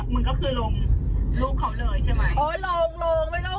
มันก็คือลงลูกของเดรดใช่ไหม